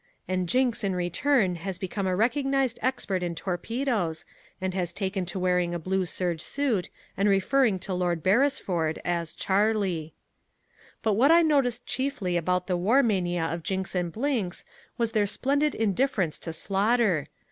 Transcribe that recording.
And Jinks in return has become a recognized expert in torpedoes and has taken to wearing a blue serge suit and referring to Lord Beresford as Charley. But what I noticed chiefly about the war mania of Jinks and Blinks was their splendid indifference to slaughter.